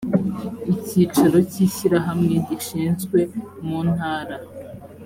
icyicaro cy ishyirahamwe gishinzwe mu ntara